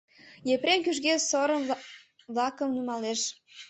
Епрем кӱжгӧ сорым-влакым нумалеш.